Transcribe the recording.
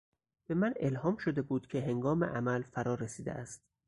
به من الهام شده بود که هنگام عمل فرارسیده است.